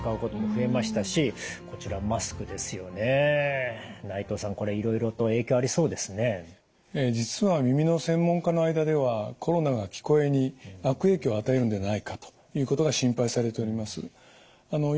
ええ実は耳の専門家の間ではコロナが聞こえに悪影響を与えるんではないかということが心配されております。